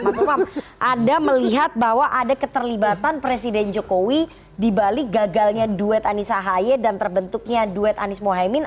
mas umam anda melihat bahwa ada keterlibatan presiden jokowi di bali gagalnya duet anissa ahy dan terbentuknya duet anis muhammad